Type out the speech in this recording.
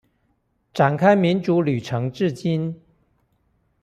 展開民主旅程至今